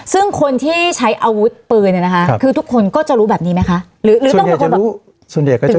ซึ่งคนที่ใช้อาวุธปืนเนี้ยนะคะครับคือทุกคนก็จะรู้แบบนี้ไหมคะหรือหรือส่วนใหญ่จะรู้ส่วนใหญ่ก็จะรู้